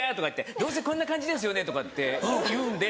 どうせこんな感じですよね」とかって言うんで。